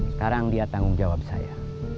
sekarang dia tanggung jawab saya